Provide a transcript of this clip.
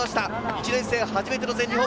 １年生初めての全日本。